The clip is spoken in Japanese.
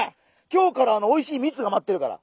今日からおいしい蜜が待ってるから。